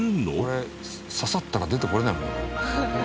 これ刺さったら出てこれないもんね。